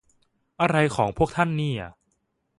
อะไรของพวกท่านเนี่ย